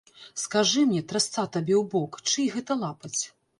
Скажы мне, трасца табе ў бок, чый гэта лапаць?!